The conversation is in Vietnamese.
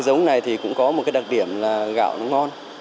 giống này thì cũng có một cái đặc điểm là gạo nó ngon